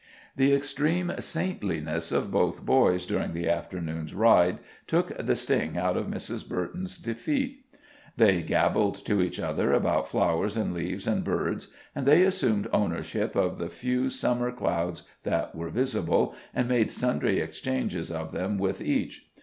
The extreme saintliness of both boys during the afternoon's ride took the sting out of Mrs. Burton's defeat. They gabbled to each other about flowers and leaves and birds, and they assumed ownership of the few Summer clouds that were visible, and made sundry exchanges of them with each.